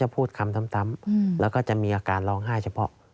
พูดคำซ้ำแล้วก็จะมีอาการร้องไห้เฉพาะ